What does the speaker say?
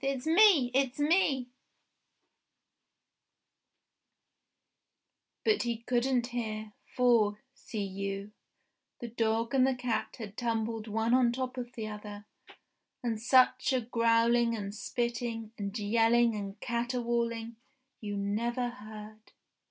"It's me ! It's me !" But he couldn't hear, for, see you, the dog and the cat had tumbled one on the top of the other, and such a growling and spitting, and yelling and caterwauling you never heard